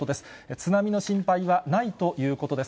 津波の心配はないということです。